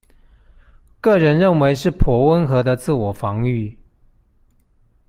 個人認為是頗溫和的自我防禦